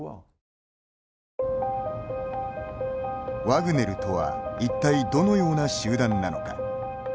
ワグネルとは一体、どのような集団なのか。